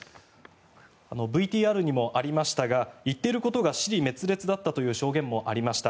ＶＴＲにもありましたが言っていることが支離滅裂だったという証言もありました。